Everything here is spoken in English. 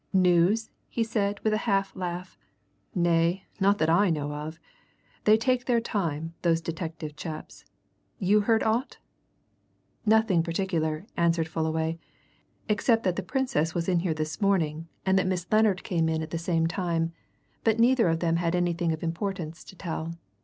"News?" he said, with a half laugh. "Nay, not that I know of. They take their time, those detective chaps. You heard aught?" "Nothing particular," answered Fullaway. "Except that the Princess was in here this morning, and that Miss Lennard came at the same time. But neither of them had anything of importance to tell.